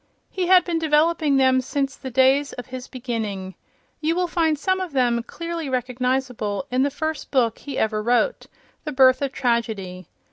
He had been developing them since the days of his beginning. You will find some of them, clearly recognizable, in the first book he ever wrote, "The Birth of Tragedy."